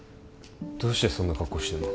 どうしてそんな格好してんの？